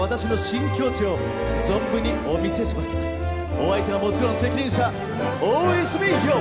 お相手はもちろん責任者・大泉洋！